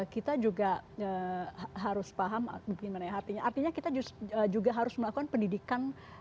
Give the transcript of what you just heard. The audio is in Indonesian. kita juga harus paham artinya kita juga harus melakukan pendidikan